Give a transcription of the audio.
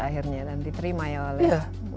akhirnya dan diterima ya oleh